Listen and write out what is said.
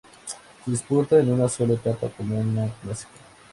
Se disputa en una sola etapa, como una clásica.